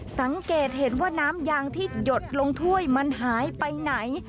สังเกตเห็นว่าน้ำยางที่หยดลงถ้วยมันหายไปไหน